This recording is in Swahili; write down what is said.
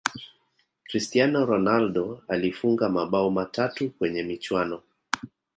cristiano ronaldo alifunga mabao matatu kwenye michuano